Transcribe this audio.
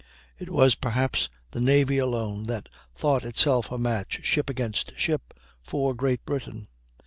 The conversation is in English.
It was, perhaps, the Navy alone that thought itself a match, ship against ship, for Great Britain.